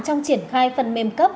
trong triển khai phần mềm cấp